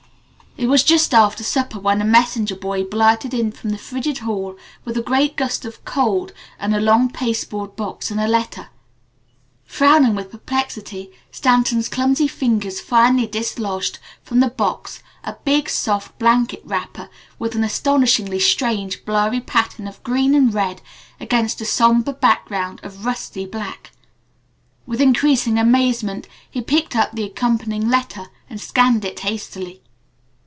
It was just after supper when a messenger boy blurted in from the frigid hall with a great gust of cold and a long pasteboard box and a letter. Frowning with perplexity Stanton's clumsy fingers finally dislodged from the box a big, soft blanket wrapper with an astonishingly strange, blurry pattern of green and red against a somber background of rusty black. With increasing amazement he picked up the accompanying letter and scanned it hastily.